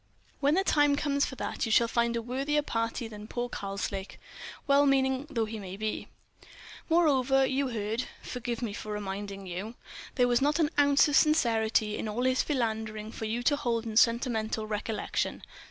"When the time comes for that, you shall find a worthier parti than poor Karslake, well meaning though he may be. Moreover, you heard—forgive me for reminding you—there was not an ounce of sincerity in all his philandering for you to hold in sentimental recollection.